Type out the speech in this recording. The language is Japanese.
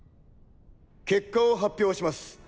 結果を発表します。